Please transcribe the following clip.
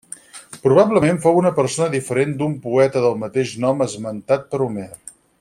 Probablement fou una persona diferent d'un poeta del mateix nom esmentat per Homer.